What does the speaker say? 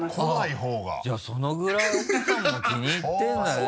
じゃあそのぐらい奥さんも気に入ってるんだね。